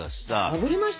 あぶりましたね。